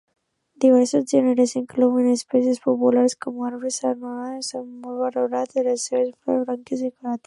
Diversos gèneres inclouen espècies populars com a arbres ornamentals molt valorats per les seves flors blanques decoratives.